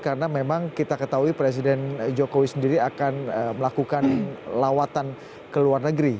karena memang kita ketahui presiden jokowi sendiri akan melakukan lawatan ke luar negeri